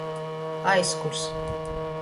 Aizkurs.